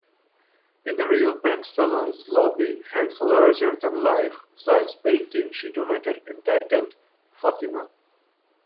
In the reopened saloon's lobby hangs a larger-than-life sized painting she donated entitled "Fatima".